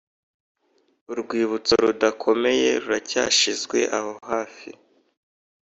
urwibutso rudakomeye ruracyashizweho hafi,